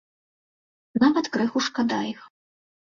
Нават крыху шкада іх.